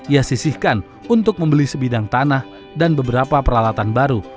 ia sisihkan untuk membeli sebidang tanah dan beberapa peralatan baru